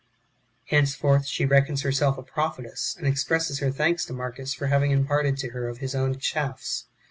Henceforth she reckons herself a prophetess, and expresses her thanks to Marcus for having imparted to her of his ovm Charis.